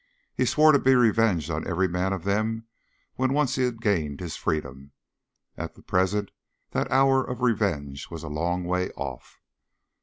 He swore to be revenged on every man of them when once he had gained his freedom. At present that hour of revenge was a long way off.